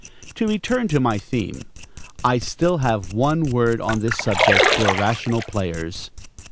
To return to my theme: I have still one word on this subject for rational players.